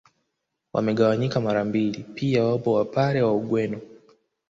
Wamegawanyika mara mbili pia wapo Wapare wa Ugweno